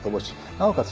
なおかつ